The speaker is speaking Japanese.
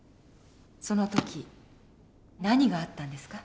その時何があったんですか？